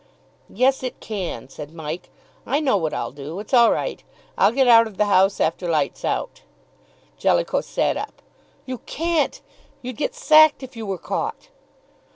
"Yes, it can," said Mike. "I know what I'll do it's all right. I'll get out of the house after lights out." Jellicoe sat up. "You can't! You'd get sacked if you were caught."